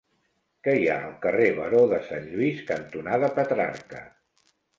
Què hi ha al carrer Baró de Sant Lluís cantonada Petrarca?